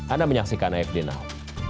anda menyaksikan afd now